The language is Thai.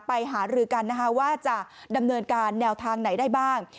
หารือกันนะคะว่าจะดำเนินการแนวทางไหนได้บ้าง